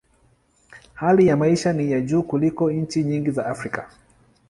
Hali ya maisha ni ya juu kuliko nchi nyingi za Afrika.